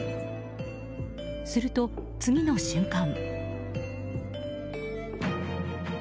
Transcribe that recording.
すると、次の瞬間。